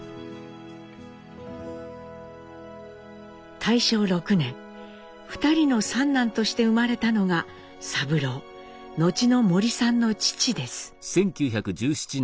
大正６年２人の三男として生まれたのが三郎後の森さんの父です。